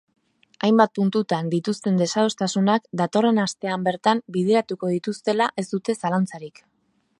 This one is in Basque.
Hainbat puntutan dituzten desadostasunak datorren astean bertan bideratuko dituztela ez dute zalantzarik.